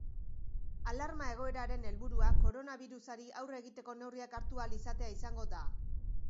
Alarma egoeraren helburua koronabirusari aurre egiteko neurriak hartu ahal izatea izango da.